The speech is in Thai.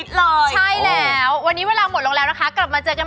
เข้าที่ดูได้ที่เฟสบุ๊คแฟนเพจแม่บ้านประจำวัญค่ะ